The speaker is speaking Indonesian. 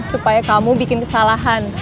supaya kamu bikin kesalahan